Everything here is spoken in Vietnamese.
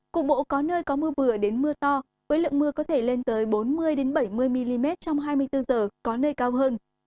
cục bộ có nơi có mưa vừa đến mưa to với lượng mưa có thể lên tới bốn mươi bảy mươi mm trong hai mươi bốn h có nơi cao hơn